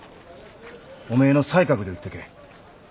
おめえの才覚で売ってけえ。